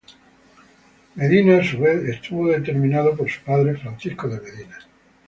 Medina, a su vez, estuvo determinado por su padre, Francisco de Medina.